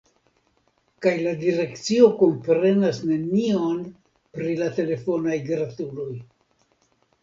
Kaj la direkcio komprenas nenion pri la telefonaj gratuloj.